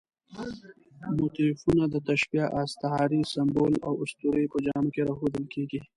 موتیفونه د تشبیه، استعارې، سمبول او اسطورې په جامه کې راښودل کېږي.